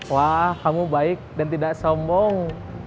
wah kamu baik dan tidak sombong